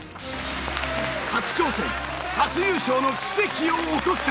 初挑戦初優勝の奇跡を起こすか！？